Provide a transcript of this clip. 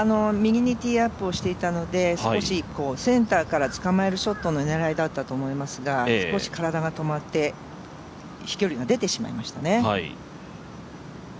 右にティーアップをしていたので、少しセンターからつかまえるショットの狙いだったと思いますが、少し体が止まって飛距離が出てしまいましたね。